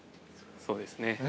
◆そうですね。